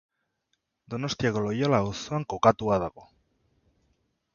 Donostiako Loiola auzoan kokatuta dago.